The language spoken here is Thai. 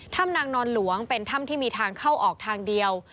ถ้ำนางนอนหลวงเป็นถ้ำที่มีทางเข้าออกทางเดียว